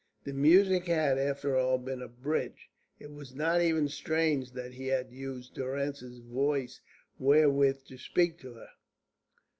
The music had, after all, been a bridge. It was not even strange that he had used Durrance's voice wherewith to speak to her.